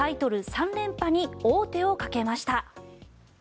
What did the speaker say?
３連覇に王手をかけました。